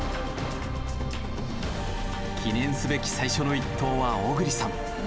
記念すべき最初の１投は小栗さん。